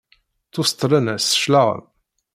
Ttuseṭṭlen-as cclaɣem.